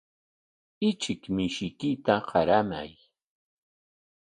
Uchuk mishiykita qaramay.